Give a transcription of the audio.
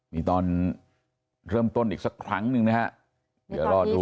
นี่ตอนเริ่มต้นอีกสักครั้งหนึ่งนะฮะเดี๋ยวรอดู